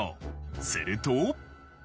すると。